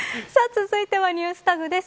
続いてはＮｅｗｓＴａｇです。